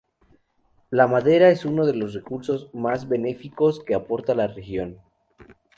La madera es uno de los recursos que más beneficios aporta a la región.